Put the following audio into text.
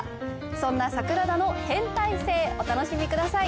そんな櫻田の変態性お楽しみください。